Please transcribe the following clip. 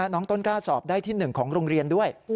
น้องต้นกล้าสอบได้ที่๑ของโรงเรียนด้วย